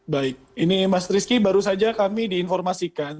baik ini mas rizky baru saja kami diinformasikan